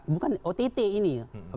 bukan ott ini